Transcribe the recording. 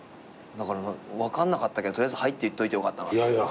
だから分かんなかったけど取りあえず「はい」って言っといてよかったなって。